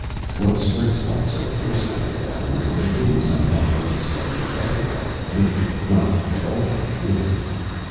What strikes one so forcibly about him is that he didn't somehow quite expect it ever, at any rate, not at all like this.